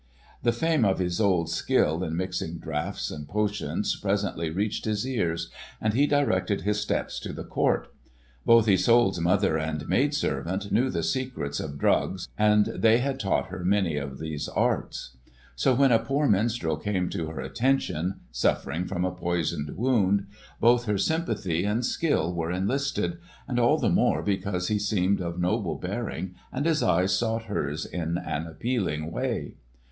The fame of Isolde's skill in mixing draughts and potions presently reached his ears, and he directed his steps to the court. Both Isolde's mother and maid servant knew the secrets of drugs and they had taught her many of these arts. So when a poor minstrel came to her attention, suffering from a poisoned wound, both her sympathy and skill were enlisted, and all the more because he seemed of noble bearing, and his eyes sought hers in an appealing way.